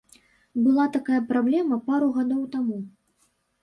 Была такая праблема пару гадоў таму.